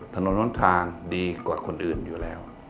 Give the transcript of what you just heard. ถนนล้นทางดีกว่าคนอื่นอยู่แล้ว